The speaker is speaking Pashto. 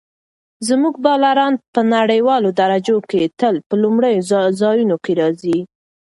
زموږ بالران په نړیوالو درجو کې تل په لومړیو ځایونو کې راځي.